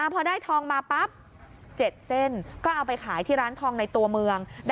พอได้ทองมาปั๊บ๗เส้นก็เอาไปขายที่ร้านทองในตัวเมือง